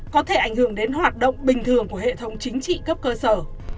có thể ảnh hưởng đến hoạt động bình thường của hệ thống chính trị cấp cơ sở